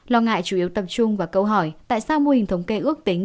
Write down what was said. lo ngại chủ yếu tập trung vào câu hỏi tại sao mô hình thống kê ước tính